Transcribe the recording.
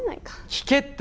聞けって。